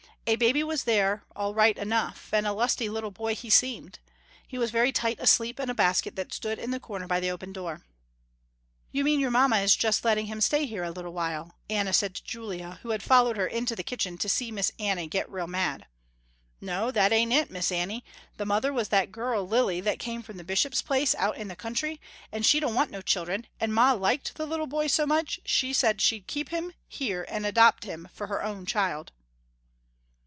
A baby was there all right enough, and a lusty little boy he seemed. He was very tight asleep in a basket that stood in the corner by the open door. "You mean your mamma is just letting him stay here a little while," Anna said to Julia who had followed her into the kitchen to see Miss Annie get real mad. "No that ain't it Miss Annie. The mother was that girl, Lily that came from Bishop's place out in the country, and she don't want no children, and ma liked the little boy so much, she said she'd keep him here and adopt him for her own child."